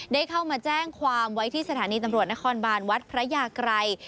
ได้เข้ามาแจ้งความไว้ที่สถานีตำรวจนครบานวัดพระยากรัย